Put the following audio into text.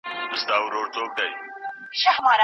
د ژوند اوسط تمه څومره ده؟